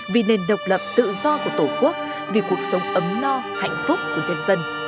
vì nền độc lập tự do của tổ quốc vì cuộc sống ấm no hạnh phúc của nhân dân